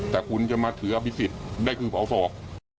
แต่คุณจะมาเถือพิสิทธิ์ได้คือเผาศอก